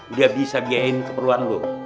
udah bisa biarin keperluan lu